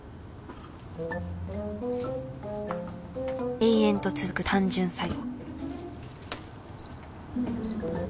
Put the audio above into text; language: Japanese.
延々と続く単純作業